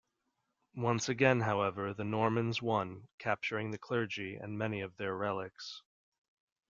Once again however the Normans won, capturing the clergy and many of their relics.